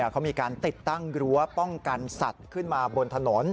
เขามีการติดตั้งรั้วป้องกันสัตว์ขึ้นมาบนถนน